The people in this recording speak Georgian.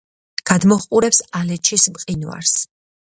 გადმოჰყურებს ალეჩის მყინვარს.